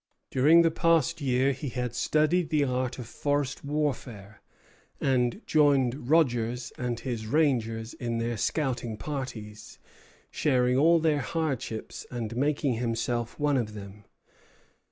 During the past year he had studied the art of forest warfare, and joined Rogers and his rangers in their scouting parties, sharing all their hardships and making himself one of them.